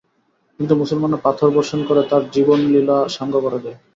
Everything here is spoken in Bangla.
কিন্তু মুসলমানরা পাথর বর্ষণ করে তার জীবনলীলা সাঙ্গ করে দেয়।